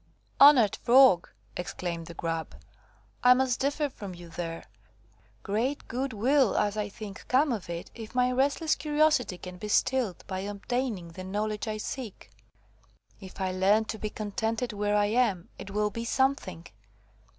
"Honoured Frog," exclaimed the Grub, "I must differ from you there. Great good will, as I think, come of it, if my restless curiosity can be stilled by obtaining the knowledge I seek. If I learn to be contented where I am, it will be something.